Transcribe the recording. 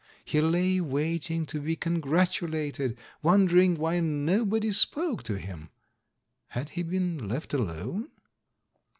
He lay wait ing to be congratulated, wondering why nobody spoke to him. Had he been left alone